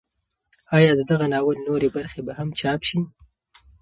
ایا د دغه ناول نورې برخې به هم چاپ شي؟